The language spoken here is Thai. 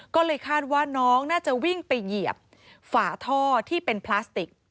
ก็เลยคาดว่าน้องน่าจะวิ่งไปเหยียบฝาท่อที่เป็นพลาสติก